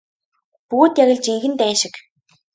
Бүгд яг л жинхэнэ дайн шиг.